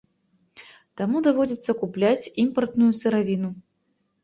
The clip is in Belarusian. Таму даводзіцца купляць імпартную сыравіну.